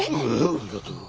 ありがとう。